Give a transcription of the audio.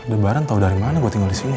ada barang tau dari mana gue tinggal disini